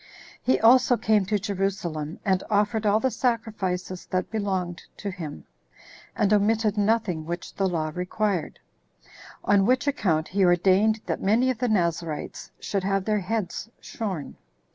He also came to Jerusalem, and offered all the sacrifices that belonged to him, and omitted nothing which the law required; 18 on which account he ordained that many of the Nazarites should have their heads shorn.